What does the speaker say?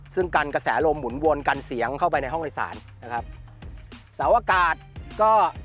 ซึ่งกันกระแสลมหมุนวนกันเสียงเข้าไปในห้องโดยสารนะครับเสาอากาศก็